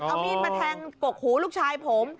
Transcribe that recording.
เอามีดมาแทงกกหูลูกชายผม